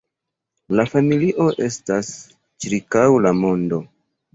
La familio estas ĉirkaŭ la mondo.